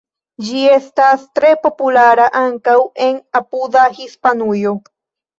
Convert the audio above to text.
Ĝi estas tre populara ankaŭ en apuda Hispanujo.